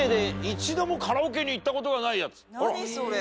何それ。